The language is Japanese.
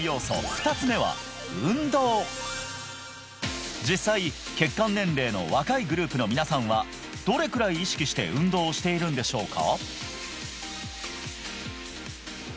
磽つ目は実際血管年齢の若いグループの皆さんはどれくらい意識して運動をしているんでしょうか？